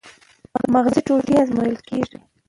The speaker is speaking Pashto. مغزي ټوټې ازمویل کېږي.